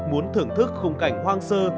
muốn thưởng thức khung cảnh hoang sơ